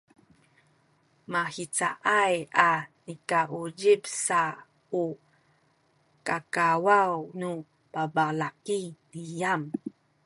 mahizaay a nikauzip sa u kakawaw nu babalaki niyam